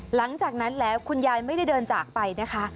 หลังจากนั้นแล้วคุณยายไม่ได้เดินจากไปนะคะ